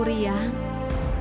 aku bisa mengesanku